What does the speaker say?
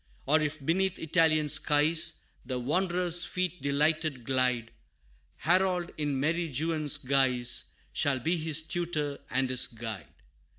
Or if beneath Italian skies, The wanderer's feet delighted glide, Harold, in merry Juan's guise, Shall be his tutor and his guide.